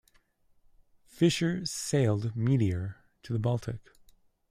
Fisher sailed "Meteor" to the Baltic.